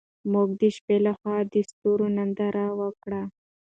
موږ د شپې لخوا د ستورو ننداره وکړه.